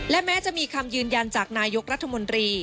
และแม้จะมีคำยืนยันจากนายกรัฐมนตรี